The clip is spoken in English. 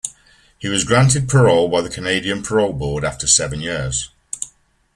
He was granted parole by the Canadian Parole Board after seven years.